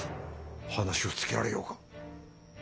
話をつけられようか？